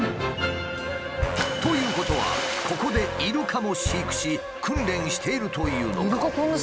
ということはここでイルカも飼育し訓練しているというのか？